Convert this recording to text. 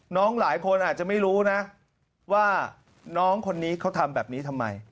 น้องหลายคนอาจจะไม่รู้นะว่าน้องคนนี้เขาทำแบบนี้ทำไม